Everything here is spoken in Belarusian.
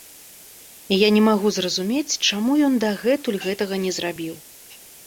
І я не магу зразумець, чаму ён дагэтуль гэтага не зрабіў.